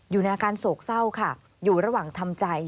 อยู่ในอาการโศกเศร้าค่ะอยู่ระหว่างทำใจ